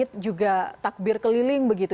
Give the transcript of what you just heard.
kemudian juga takbir keliling begitu